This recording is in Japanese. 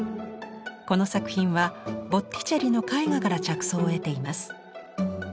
この作品はボッティチェリの絵画から着想を得ています。